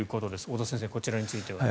太田先生、こちらについては。